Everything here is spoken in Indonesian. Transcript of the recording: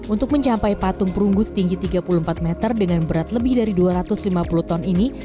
untuk mencapai patung perunggu setinggi tiga puluh empat meter dengan berat lebih dari dua ratus lima puluh ton ini